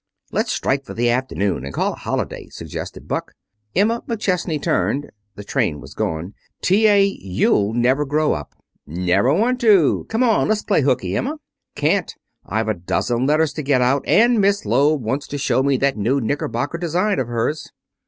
"Let's strike for the afternoon and call it a holiday," suggested Buck. Emma McChesney turned. The train was gone. "T.A., you'll never grow up." "Never want to. Come on, let's play hooky, Emma." "Can't. I've a dozen letters to get out, and Miss Loeb wants to show me that new knicker bocker design of hers."